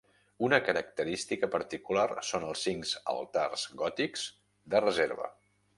Una característica particular són els cinc altars gòtics de reserva.